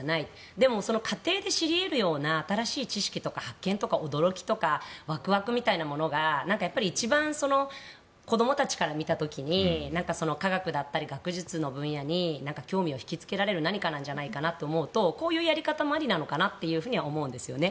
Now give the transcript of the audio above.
でもその過程で知り得るような新しい知識とか発見とか驚きとかワクワクみたいなものが一番子どもたちから見た時に科学だったり学術の分野に興味を引きつけられる何かなんじゃないかなと思うとこういうやり方もありなのかなと思うんですよね。